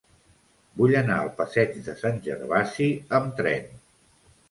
Vull anar al passeig de Sant Gervasi amb tren.